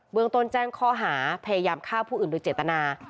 เมืองต้นแจ้งข้อหาพยายามฆ่าผู้อื่นโดยเจตนา